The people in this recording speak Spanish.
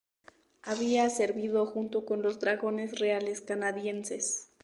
Había servido junto con los Dragones Reales Canadienses.